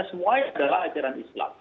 semua ini adalah ajaran islam